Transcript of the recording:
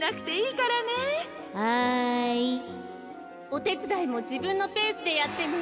おてつだいもじぶんのペースでやってね。